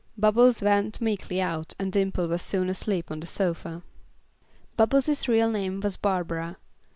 Bubbles went meekly out and Dimple was soon asleep on the sofa. Bubbles' real name was Barbara.